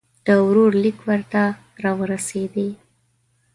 د ورور لیک ورته را ورسېدی.